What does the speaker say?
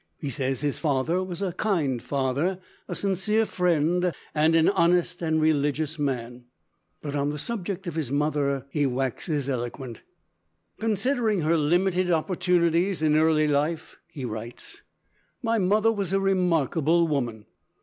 He says his father was "a kind father, a sincere friend, and an honest and religious man," but on the subject of his mother he waxes eloquent: "Considering her limited opportunities in early life [he writes], my mother was a remarkable woman.